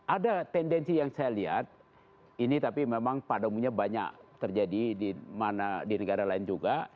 ada tendensi yang saya lihat ini tapi memang pada umumnya banyak terjadi di negara lain juga